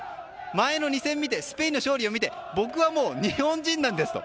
前の２戦を見てスペインの勝利を見て僕は日本人なんですと。